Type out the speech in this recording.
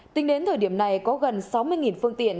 tính đến thời điểm này có gần sáu mươi phương tiện